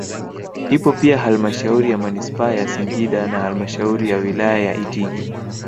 ipo pia Hlmashauri ya Manispaa ya Singida na halmashauri ya wilaya ya Itigi